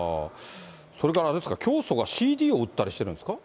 それからあれですか、教祖がＣＤを売ったりしているんですか。